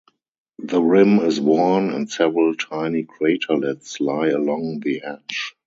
The rim is worn, and several tiny craterlets lie along the edge.